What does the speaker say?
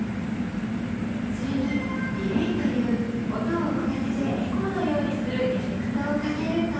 それにディレイという音を遅らせてエコーのようにするエフェクトをかけると。